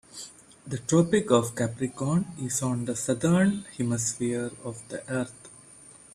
The Tropic of Capricorn is on the Southern Hemisphere of the earth.